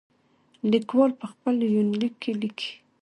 ليکوال په خپل يونليک کې ليکي.